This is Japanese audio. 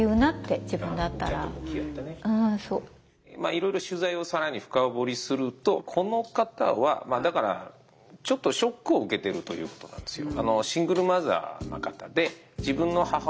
まあいろいろ取材を更に深掘りするとこの方はだからちょっとショックを受けてるということなんですよ。